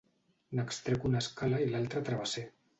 N'extrec una escala i l'altre travesser.